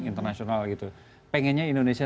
internasional gitu pengennya indonesia